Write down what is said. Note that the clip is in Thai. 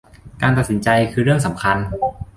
การตัดสินใจคือเรื่องสำคัญ